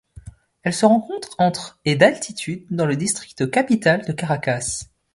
Elle se rencontre entre et d'altitude dans le District capitale de Caracas.